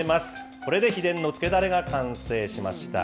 これで秘伝のつけだれが完成しました。